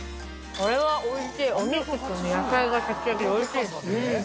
これはおいしい、お肉と野菜がしゃきしゃきしておいしいですね。